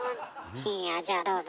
信也じゃあどうぞ。